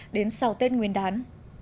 đến sau tết nguyên đán